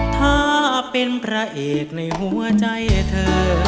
ถ้าเป็นพระเอกในหัวใจเธอ